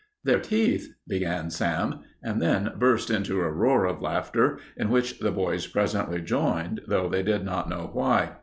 "Their teeth " began Sam, and then burst into a roar of laughter, in which the boys presently joined, though they did not know why.